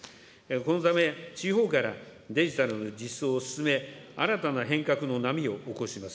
このため、地方からデジタルの実装を進め、新たな変革の波を起こします。